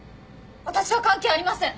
私は関係ありません。